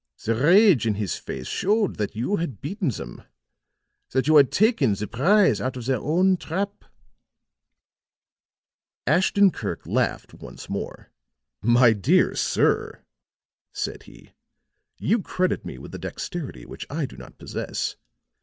The rage in his face showed that you had beaten them that you had taken the prize out of their own trap." Ashton Kirk laughed once more. "My dear sir," said he, "you credit me with a dexterity which I do not possess.